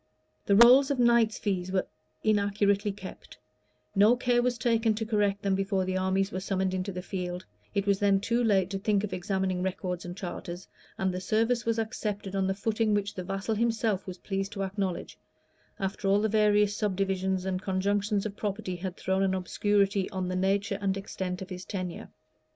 The rolls of knights' fees were inaccurately kept; no care was taken to correct them before the armies were summoned into the field,[*] it was then too late to think of examining records and charters; and the service was accepted on the footing which the vassal himself was pleased to acknowledge, after all the various subdivisions and conjunctions of property had thrown an obscurity on the nature and extent of his tenure.